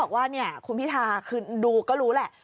บอกว่าเนี่ยคุณพี่ทาคือดูก็รู้แหละ